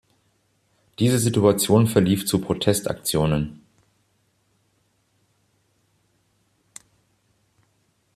Diese Situation verlief zu Protestaktionen.